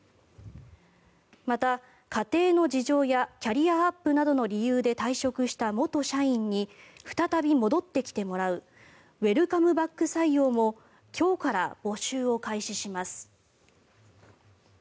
また、家庭の事情やキャリアアップなどの理由で退職した元社員に再び戻ってきてもらうウェルカムバック採用も今日から募集を開始します。